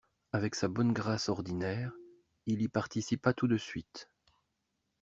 Avec sa bonne grâce ordinaire, il y participa tout de suite.